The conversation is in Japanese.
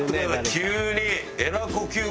急に。